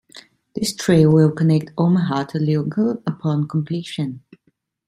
This trail will connect Omaha to Lincoln upon completion.